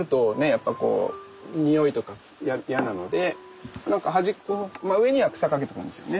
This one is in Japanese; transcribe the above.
やっぱこう臭いとか嫌なのでなんか端っこまあ上には草かけとくんですよね。